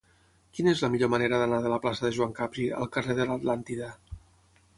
Quina és la millor manera d'anar de la plaça de Joan Capri al carrer de l'Atlàntida?